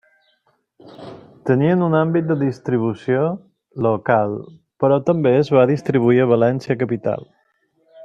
Tenien un àmbit de distribució local, però també es va distribuir a València Capital.